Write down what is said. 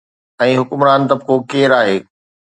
۽ حڪمران طبقو ڪير آهي.